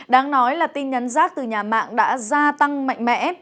đáng nói là tin nhắn rác từ nhà mạng đã gia tăng mạnh mẽ